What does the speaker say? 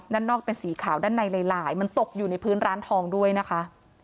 ด้านนอกเป็นสีขาวด้านในหลายมันตกอยู่ในพื้นร้านทองด้วยนะคะ